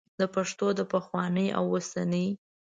د پښتو د پخواني او اوسني